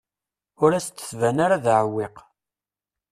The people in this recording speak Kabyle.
Ur as-d-tban ara d aɛewwiq.